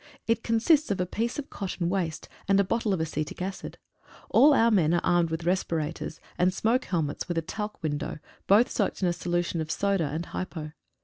It consists of a piece of cotton waste, and a bottle of acetic acid. All our men are armed with respirators, and smoke helmets with a talc window, both soaked in a solution of soda and hypo.